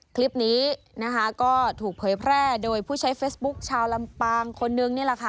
คลิปนี้นะคะก็ถูกเผยแพร่โดยผู้ใช้เฟซบุ๊คชาวลำปางคนนึงนี่แหละค่ะ